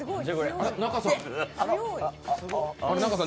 あれ、仲さん？